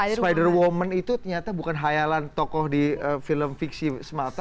spider woman itu ternyata bukan khayalan tokoh di film fiksi semata